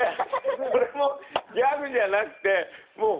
それもギャグじゃなくてもう本気で。